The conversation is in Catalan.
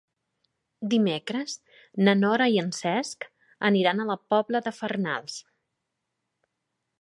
Dimecres na Nora i en Cesc aniran a la Pobla de Farnals.